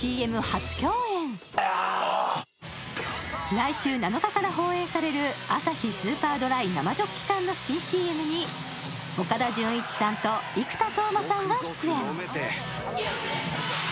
来週７日から放映されるアサヒスーパードライ生ジョッキ缶の新ＣＭに岡田准一さんと生田斗真さんが出演。